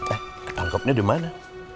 eh ketangkepnya dimana